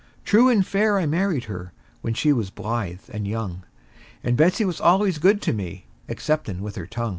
True and fair I married her, when she was blithe and young; And Betsey was al'ays good to me, exceptin' with her tongue.